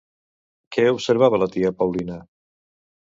Què observava la tia Paulina?